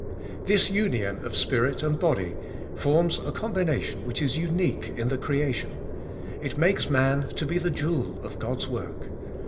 This union Of spirit and body forms a combination which is unique in the crea tion; it makes man to be the jewel of God's work.